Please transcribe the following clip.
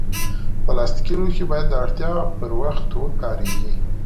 پلاستيکي لوښي باید د اړتیا پر وخت وکارېږي.